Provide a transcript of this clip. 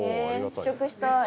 試食したい。